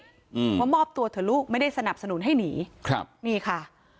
อืมว่ามอบตัวเถอะลูกไม่ได้สนับสนุนให้หนีครับนี่ค่ะ